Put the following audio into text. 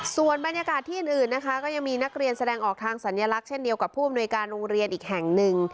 ส่วนบรรยากาศที่อื่นนะคะก็ยังมีนักเรียนแสดงออกทางสัญลักษณ์เช่นเดียวกับผู้อำนวยการโรงเรียนอีกแห่งหนึ่ง